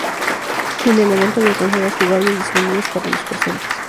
En el evento había consolas jugables disponibles para los presentes.